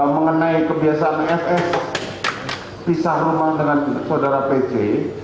mengenai kebiasaan fs pisah rumah dengan saudara pc